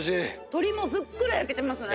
鶏もふっくら焼けてますね。